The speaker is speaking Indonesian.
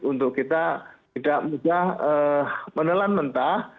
untuk kita tidak mudah menelan mentah